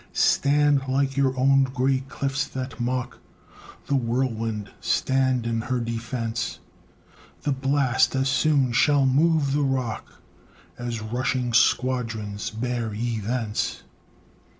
Stand, like your own gray cliffs that mock The whirlwind, stand in her defence; The blast as soon shall move the rock As rushing squadrons bear ye thence.